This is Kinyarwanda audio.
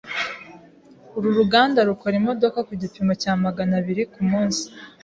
Uru ruganda rukora imodoka ku gipimo cya magana abiri kumunsi.